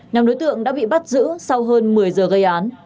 nhóm đối tượng đã bị bắt giữ sau hơn một mươi giờ gây án